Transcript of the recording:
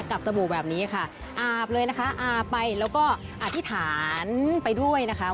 สบู่แบบนี้ค่ะอาบเลยนะคะอาบไปแล้วก็อธิษฐานไปด้วยนะคะ